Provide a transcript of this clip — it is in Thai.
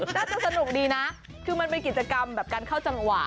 น่าจะสนุกดีนะคือมันเป็นกิจกรรมแบบการเข้าจังหวะ